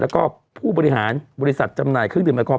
แล้วก็ผู้บริหารบริษัทจำหน่ายเครื่องดื่มแอลกอล